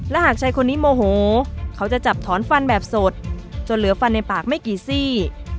หากชายคนนี้โมโหเขาจะจับถอนฟันแบบสดจนเหลือฟันในปากไม่กี่ซี่